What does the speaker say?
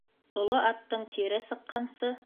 Оло аттың тире сыҡҡансы